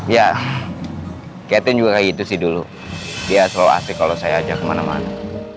ya cathein juga kayak gitu sih dulu dia selalu asik kalau saya ajak kemana mana